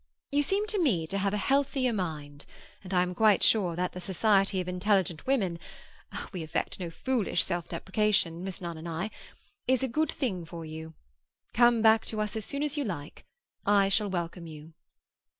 You seem to me to have a healthier mind, and I am quite sure that the society of intelligent women (we affect no foolish self depreciation, Miss Nunn and I) is a good thing for you. Come back to us as soon as you like; I shall welcome you."